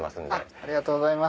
ありがとうございます。